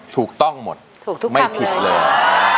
ถูกต้องหมดไม่ผิดเลย